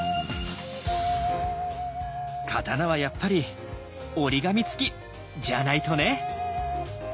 刀はやっぱり「折り紙つき」じゃないとね。